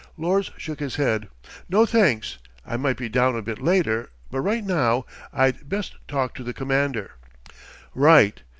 Lors shook his head. "No, thanks. I might be down a bit later, but right now I'd best talk to the Commander." "Right.